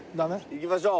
行きましょう。